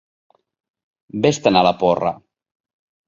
Ves-te'n a la porra!